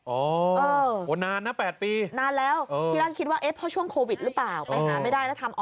โอ้ยนานนะ๘ปีพี่ร่างคิดว่าเพราะช่วงโควิดหรือเปล่าไปหาไม่ได้แล้วทำ